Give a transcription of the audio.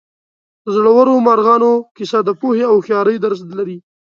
د زړورو مارغانو کیسه د پوهې او هوښیارۍ درس لري.